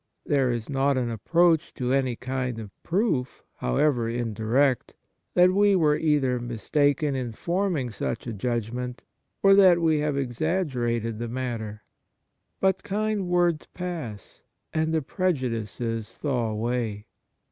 There is not an approach to any kind of proof, however indirect, that we were either mis taken in forming such a judgment, or that we have exaggerated the matter. But kind words pass, and the prejudices thaw away.